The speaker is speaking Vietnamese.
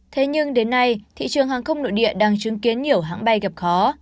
thế nhưng đến nay thị trường hàng không nội địa đang chứng kiến nhiều hãng bay gặp khó